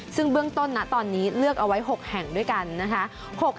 ซึ่งเบื้องต้นนะตอนนี้เลือกเอาไว้๖แห่งด้วยกันนะคะ